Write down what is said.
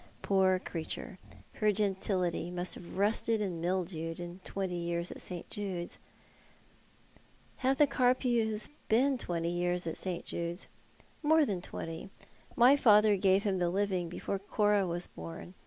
Poor creature. Her gentility must have rusted and mildewed in twenty years at St. Jude's." " Have the Carpews been twenty years at St. Jude's ?"" More than twenty. My father gave him the living before Cora was born.